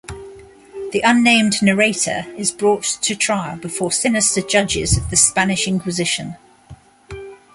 The unnamed narrator is brought to trial before sinister judges of the Spanish Inquisition.